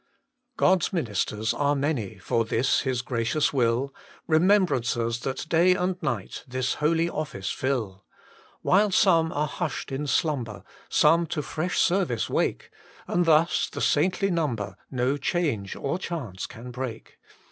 God s ministers are many, For this Ilis gracious will, Remembrancers that day and night This holy office fill. While some are hushed in slumber, Some to fresh service wake, And thus the saintly number No change or chance can break.